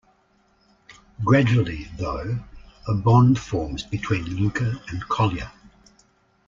Gradually, though, a bond forms between Louka and Kolya.